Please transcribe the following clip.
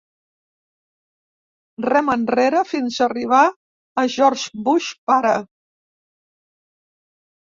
Rema enrere fins arribar a George Bush pare.